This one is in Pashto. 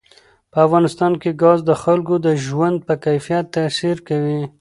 په افغانستان کې ګاز د خلکو د ژوند په کیفیت تاثیر کوي.